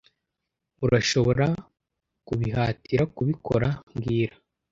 Urashobora kubihatira kubikora mbwira